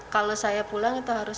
kalau saya pulang itu harus